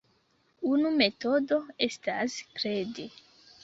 Unu metodo estas kredi.